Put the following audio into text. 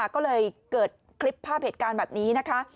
ก็เลยเกิดคลิปภาพเหตุการณ์แบบนี้นะคะ